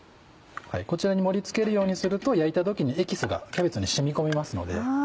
こちらに盛り付けるようにすると焼いた時にエキスがキャベツに染み込みますので。